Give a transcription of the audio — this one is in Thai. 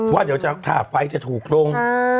ว่าถ้าไฟจะถูกลง